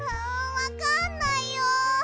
わかんないよ！